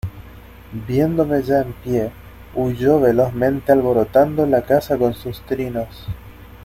viéndome ya en pie, huyó velozmente alborotando la casa con sus trinos.